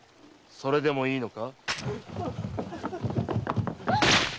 それでもいいのか？